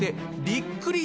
びっくり？